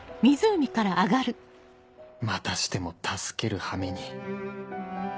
またしても助けるはめに